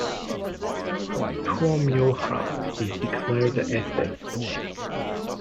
Tuomioja is a declared atheist.